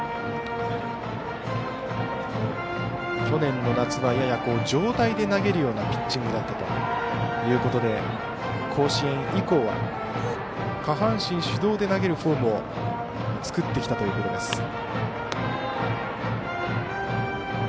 去年夏はやや上体で投げるようなピッチングだったということで甲子園以降は下半身主動で投げるフォームを作ってきたということです。